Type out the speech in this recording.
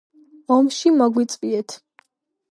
ომში მოგვიწვიეთ